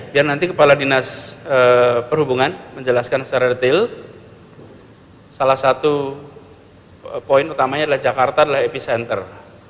biar nanti kepala dinas perhubungan menjelaskan secara detail salah satu poin utamanya adalah jakarta adalah epicenter